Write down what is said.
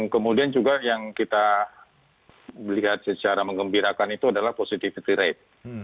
kemudian juga yang kita lihat secara mengembirakan itu adalah positivity rate